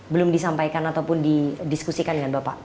belum disampaikan ataupun didiskusikan dengan bapak